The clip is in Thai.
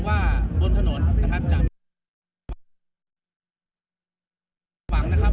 ความปลอดภัยถ้ามันแข่งในสนาม